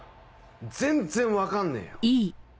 全然分かんねえよ。